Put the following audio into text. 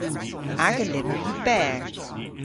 Aga lyver yw berr.